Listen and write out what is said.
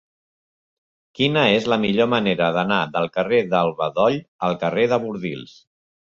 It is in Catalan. Quina és la millor manera d'anar del carrer del Bedoll al carrer de Bordils?